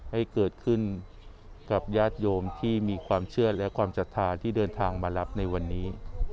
ให้เกิดขึ้นกับญาติโยมที่มีความเชื่อและความศรัทธาที่เดินทางมารับในวันนี้